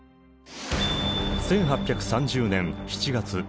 １８３０年７月。